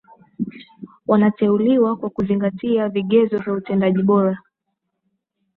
wanateuliwa kwa kuzingatia vigezo vya utendaji bora